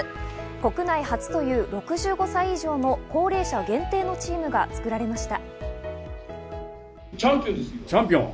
国内初という６５歳以上の高齢者限定のチームが作られました。